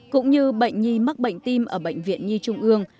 cũng như bệnh nhi mắc bệnh tim ở bệnh viện nhi trung ương